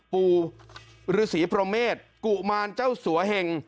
ปูฤษีโปรเมษกุมารเจ้าสัวแห่ง